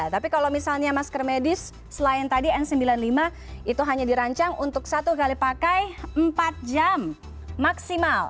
tapi kalau misalnya masker medis selain tadi n sembilan puluh lima itu hanya dirancang untuk satu kali pakai empat jam maksimal